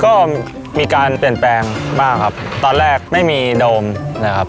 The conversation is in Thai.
ก็มีการเปลี่ยนแปลงบ้างครับตอนแรกไม่มีโดมนะครับ